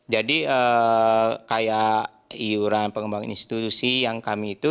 jadi kayak iuran pengembangan institusi yang kami itu